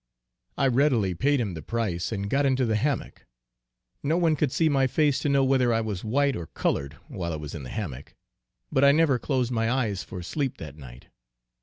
I readily paid him the price and got into the hammock. No one could see my face to know whether I was white or colored, while I was in the hammock; but I never closed my eyes for sleep that night.